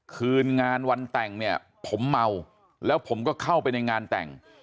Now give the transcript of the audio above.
คืนงานวันแต่งเนี่ยผมเมาแล้วผมก็เข้าไปในงานแต่ง